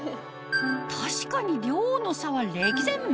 確かに量の差は歴然！